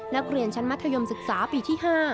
นักเรียนชั้นมัธยมศึกษาปีที่๕